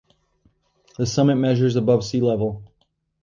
The summit measures above sea level.